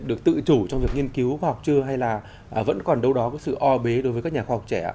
được tự chủ trong việc nghiên cứu khoa học chưa hay là vẫn còn đâu đó có sự o bế đối với các nhà khoa học trẻ